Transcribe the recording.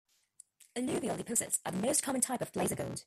Alluvial deposits are the most common type of placer gold.